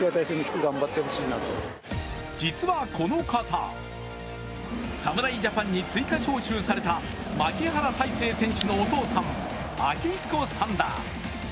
実はこの方、侍ジャパンに追加招集された牧原大成選手のお父さん、昭彦さんだ。